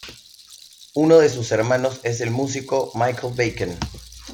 Uno de sus hermanos es el músico Michael Bacon.